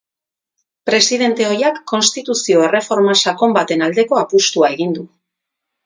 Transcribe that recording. Presidente ohiak konstituzio erreforma sakon baten aldeko apustua egin du.